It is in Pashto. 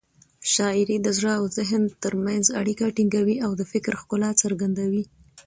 شاعري د زړه او ذهن تر منځ اړیکه ټینګوي او د فکر ښکلا څرګندوي.